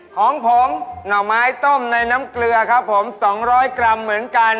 ของผมหน่อไม้ต้มในน้ำเกลือครับผม๒๐๐กรัมเหมือนกัน